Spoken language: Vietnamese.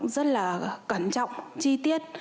rất là cẩn trọng chi tiết